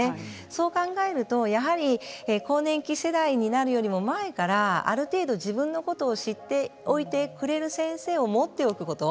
そう考えるとやはり更年期世代になるよりも前からある程度、自分のことを知っておいてくれる先生を持っておくこと。